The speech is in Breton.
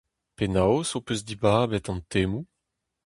Penaos ho peus dibabet an temoù ?